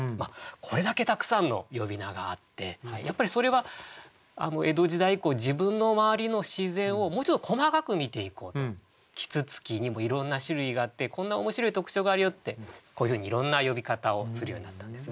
これだけたくさんの呼び名があってやっぱりそれは江戸時代以降自分の周りの自然をもうちょっと細かく見ていこうと啄木鳥にもいろんな種類があってこんな面白い特徴があるよってこういうふうにいろんな呼び方をするようになったんですね。